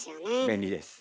便利です。